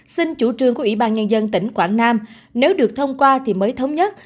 xin chủ trương của ủy ban nhân dân tỉnh quảng nam nếu được thông qua thì mới thống nhất